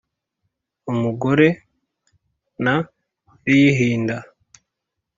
um ugore nriyihinda